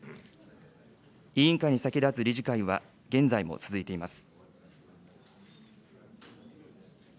委員会に先だつ理事会は現在も続いています。